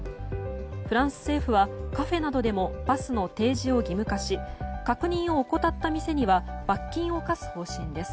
フランス政府はカフェなどでもパスの提示を義務化し、確認を怠った店には罰金を科す方針です。